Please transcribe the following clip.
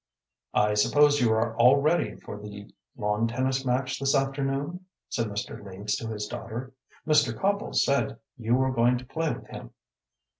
"I suppose you are all ready for the lawn tennis match this afternoon?" said Mr. Leeds to his daughter. "Mr. Copple said you were going to play with him.